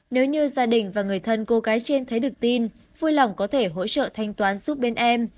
nếu như gia đình và người thân cô gái trên thấy được tin vui lòng có thể hỗ trợ thanh toán giúp bên em